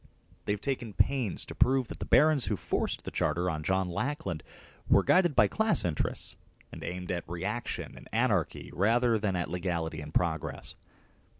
They have taken pains to prove that the barons who forced the Charter on John Lackland were guided by class interests and aimed at reaction and anarchy rather than at legality and progress.